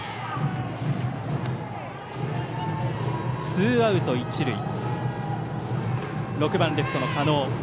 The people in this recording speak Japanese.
ツーアウト、一塁で６番レフトの狩野。